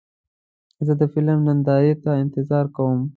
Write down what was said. زه د فلم نندارې ته انتظار کوم.